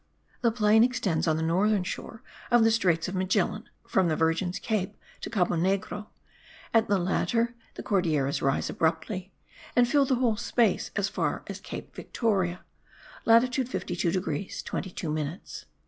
The plain extends on the northern shore of the Straits of Magellan, from the Virgin's Cape to Cabo Negro; at the latter the Cordilleras rise abruptly, and fill the whole space as far as Cape Victoria (latitude 52 degrees 22 minutes).